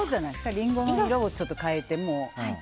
リンゴの色をちょっと変えて。